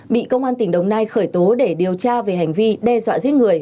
bị công an tỉnh đồng nai khởi tố để điều tra về hành vi đe dọa giết người